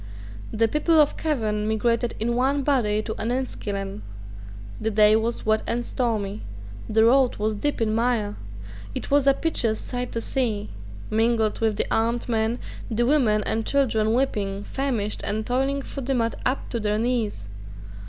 The people of Cavan migrated in one body to Enniskillen. The day was wet and stormy. The road was deep in mire. It was a piteous sight to see, mingled with the armed men, the women and children weeping, famished, and toiling through the mud up to their knees.